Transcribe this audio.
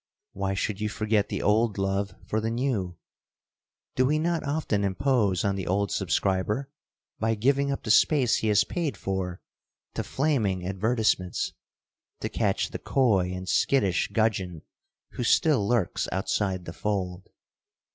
Why should you forget the old love for the new? Do we not often impose on the old subscriber by giving up the space he has paid for to flaming advertisements to catch the coy and skittish gudgeon who still lurks outside the fold?